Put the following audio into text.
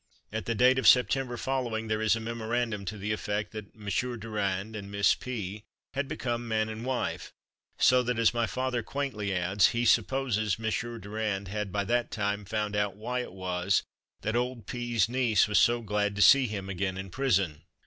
At the date of September following there is a memorandum to the effect that M. Durand and Miss P had become man and wife, so that, as my father quaintly adds, he supposes M. Durand had by that time found out why it was that old P 's niece was so glad to see him again in prison.